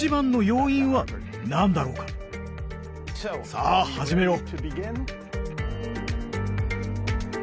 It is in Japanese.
さあ始めよう。